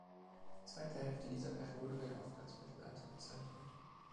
Die zweite Hälfte dieser Periode wird oft als Mittelalter bezeichnet.